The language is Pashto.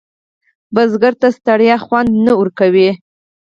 بزګر ته ستړیا خوند نه ورکوي